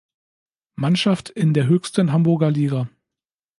Mannschaft in der höchsten Hamburger Liga.